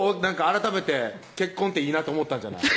改めて結婚っていいなって思ったんじゃない？